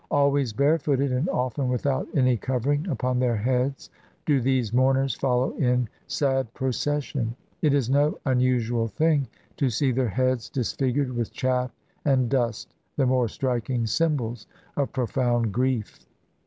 Always barefooted, and often without any covering upon their heads, do these mourners follow in sad pro cession. It is no unusual thing to see their heads dis figured with chaff and dust — the more striking symbols of profound grief.